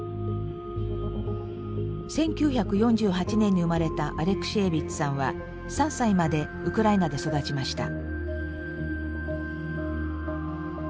１９４８年に生まれたアレクシエービッチさんは３歳までウクライナで育ちました。